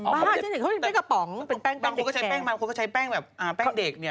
บางคนก็ใช้แป้งมันบางคนก็ใช้แป้งแบบแป้งเด็กเนี่ย